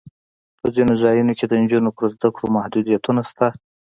په ځینو ځایونو کې د نجونو پر زده کړو محدودیتونه شته.